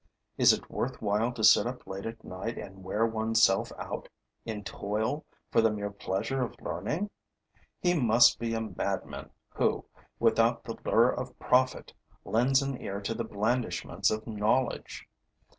Is it worth while to sit up late at night and wear one's self out in toil for the mere pleasure of learning? He must be a madman who, without the lure of profit, lends an ear to the blandishments of knowledge.